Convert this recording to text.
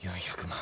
４００万？